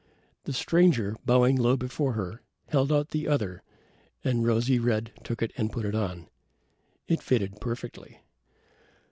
The stranger, bowing low before her, held out the other, and Rosy red took it and put it on. It fitted perfectly.